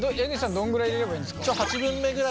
どんぐらい入れればいいんですか？